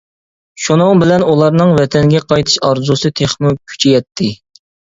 شۇنىڭ بىلەن ئۇلارنىڭ ۋەتەنگە قايتىش ئارزۇسى تېخىمۇ كۈچىيەتتى.